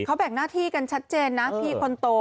เขาแบ่งหน้าที่กันชัดเจนนะพี่คนโต